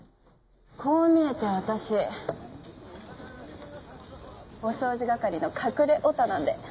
こう見えて私お掃除係の隠れオタなんで。